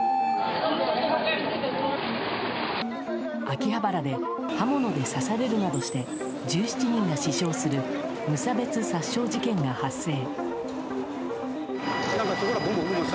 秋葉原で刃物で刺されるなどして１７人が死傷する無差別殺傷事件が発生。